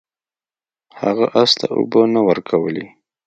هغه اس ته اوبه نه ورکولې.